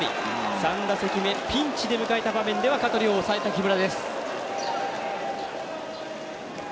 ３打席目、ピンチで迎えた場面で香取を抑えた木村。